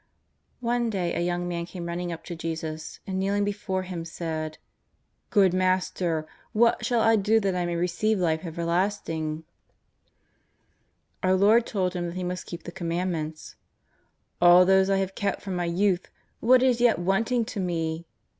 One day a young man came running up to Jesus, and, kneeling before Him, said: " Good Master, what shall I do that I may receive life everlasting ?" 273 274 JESUS OF NAZAEETH, Our Lord told him that he must keep the Command ments. "All these have I kept from my youth: what is yet wanting to me